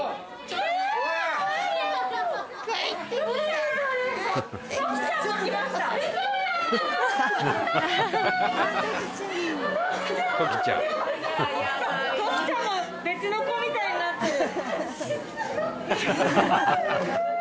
トキちゃんも別の子みたいになってる。